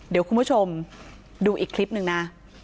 เดี๋ยวคุณผู้ชมดูอีกคลิปหนึ่งนะ